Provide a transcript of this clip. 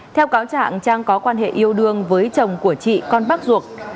theo cáo trạng trang có quan hệ yêu đương với chồng của chị con bác ruột